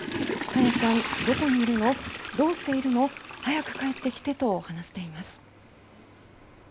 さやちゃん、どこにいるのどうしてるのはやくかえってきてと話しています。